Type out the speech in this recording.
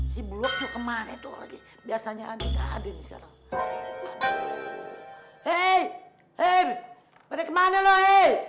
si blok kemana itu lagi biasanya ada ada nih